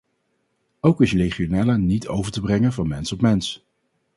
Ook is legionella niet over te brengen van mens op mens.